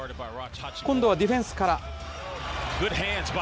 今度はディフェンスから。